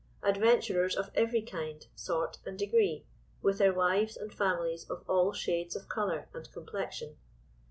Adventurers of every kind, sort, and degree, with their wives and families of all shades of colour and complexion.